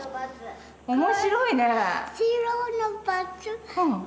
面白いね。